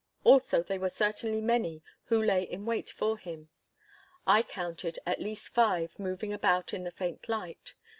Also they were certainly many who lay in wait for him. I counted at least five moving about in the faint light.